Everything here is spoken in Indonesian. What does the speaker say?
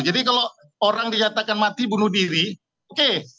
jadi kalau orang dinyatakan mati bunuh diri oke